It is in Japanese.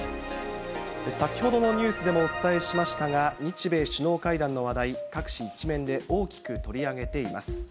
先ほどのニュースでもお伝えしましたが、日米首脳会談の話題、各紙、１面で大きく取り上げています。